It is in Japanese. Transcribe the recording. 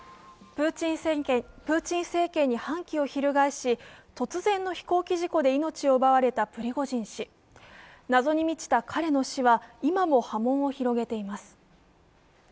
プーチン政権に反旗を翻し、突然の飛行機事故で命を奪われたプリゴジン氏謎に満ちた彼の死は今も波紋を広げています。